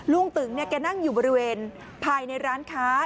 ตึงแกนั่งอยู่บริเวณภายในร้านค้า